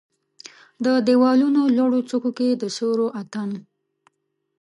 د د یوالونو لوړو څوکو کې د سیورو اټن